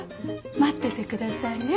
待ってて下さいね。